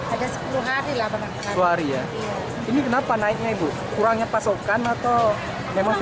ada sepuluh hari lah dua hari ya ini kenapa naiknya ibu kurangnya pasokan atau memang